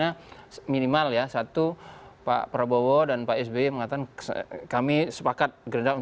untuk fitnes semak botol orang tentu